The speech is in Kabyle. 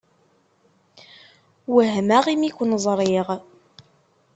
Wehmeɣ imi ken-ẓṛiɣ.